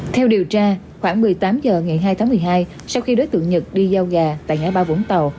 theo điều tra khoảng một mươi tám h ngày hai tháng một mươi hai sau khi đối tượng nhật đi giao gà tại ngã ba vũng tàu